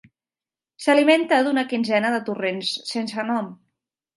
S'alimenta d'una quinzena de torrents sense nom.